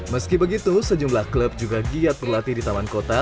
meski begitu sejumlah klub juga giat berlatih di taman kota